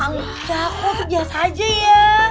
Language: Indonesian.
angga kok biasa aja ya